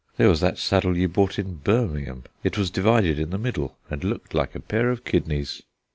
There was that saddle you bought in Birmingham; it was divided in the middle, and looked like a pair of kidneys."